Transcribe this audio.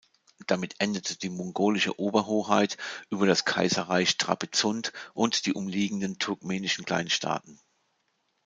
Damit endete die mongolische Oberhoheit über das Kaiserreich Trapezunt und die umliegenden turkmenischen Kleinstaaten.